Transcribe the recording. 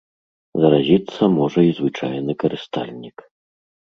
Заразіцца можа і звычайны карыстальнік.